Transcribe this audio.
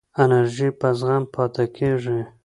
انرژی په زغم پاتې کېږي.